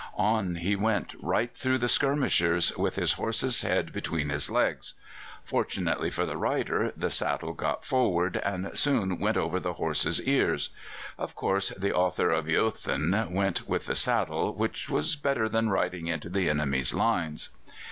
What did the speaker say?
On he went right through the skirmishers, with his horse's head between his legs. Fortunately for the rider, the saddle got forward, and soon went over the horse's ears. Of course the author of "Eōthen" went with the saddle, which was better than riding into the enemy's lines.